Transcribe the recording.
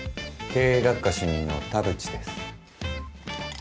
経営学科主任の田淵です。